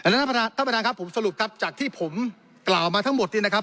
ท่านประธานท่านประธานครับผมสรุปครับจากที่ผมกล่าวมาทั้งหมดนี่นะครับ